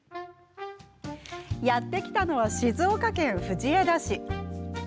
やって来たのは静岡県藤枝市。